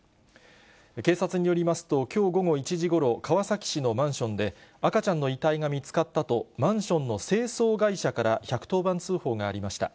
警察によりますと、きょう午後１時ごろ、川崎市のマンションで、赤ちゃんの遺体が見つかったと、マンションの清掃会社から１１０番通報がありました。